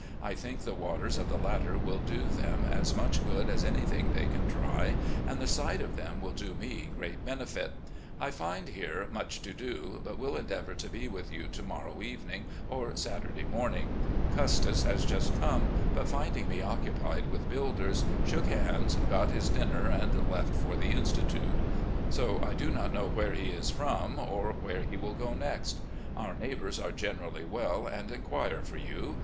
I think the waters of the latter will do them as much good as anything they can try, and the sight of them will do me great benefit. I find here much to do, but will endeavour to be with you to morrow evening or Saturday morning. Custis has just come, but finding me occupied with builders, shook hands, got his dinner, and left for the Institute. So I do not know where he is from or where he will go next. Our neighbours are generally well, and inquire for you.